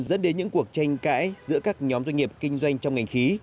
dẫn đến những cuộc tranh cãi giữa các nhóm doanh nghiệp kinh doanh trong ngành khí